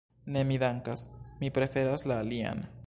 Ne, mi dankas, mi preferas la alian.